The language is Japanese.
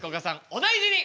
お大事に。